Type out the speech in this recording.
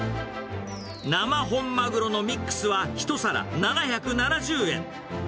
生本マグロのミックスは、１皿７７０円。